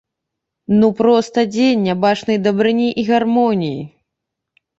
Ну проста дзень нябачанай дабрыні і гармоніі.